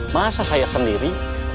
masa saya sendiri